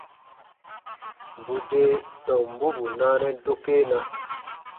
Bù de tombu bù naanɛ dokena.